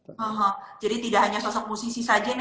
oh jadi tidak hanya sosok musisi saja ini